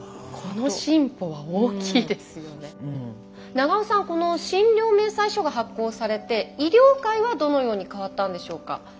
長尾さんこの診療明細書が発行されて医療界はどのように変わったんでしょうか？